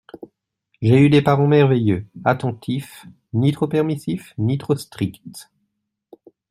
J’ai eu des parents merveilleux, attentifs, ni trop permissifs, ni trop stricts.